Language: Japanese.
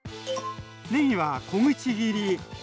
ねぎは小口切り。